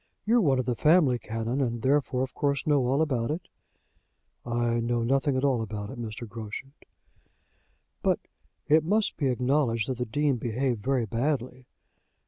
You're one of the family, Canon, and therefore, of course, know all about it." "I know nothing at all about it, Mr. Groschut." "But it must be acknowledged that the Dean behaved very badly.